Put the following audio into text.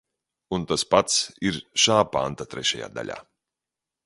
Un tas pats ir šā panta trešajā daļā.